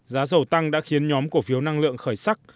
giá dầu tăng đã khiến nhóm cổ phiếu năng lượng khởi sắc